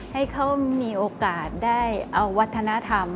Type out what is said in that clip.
ให้เขามีโอกาสได้เอาวัฒนธรรม